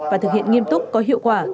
và thực hiện nghiêm túc có hiệu quả